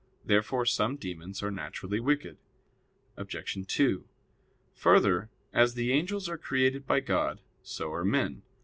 Therefore some demons are naturally wicked. Obj. 2: Further, as the angels are created by God, so are men.